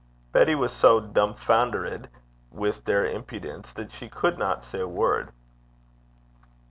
Betty was so dumfoundered with their impudence that she could not say a word.